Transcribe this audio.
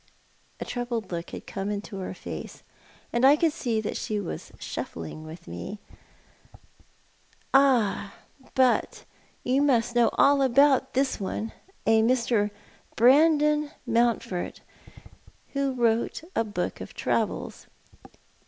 A troubled look had come into her face, and I could see that she was shuffling with me. " Ah, but you must know all about this one — a Mr. Brandon Coralies JoiLrnal. 207 !Mountford, who wrote a book of travels.